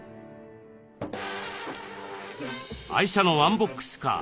愛車のワンボックスカー